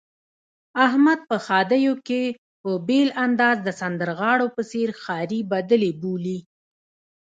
احمد په ښادیو کې په بېل انداز د سندرغاړو په څېر ښاري بدلې بولي.